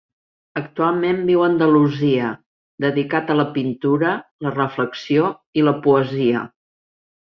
Actualment viu a Andalusia, dedicat a la pintura, la reflexió i la poesia.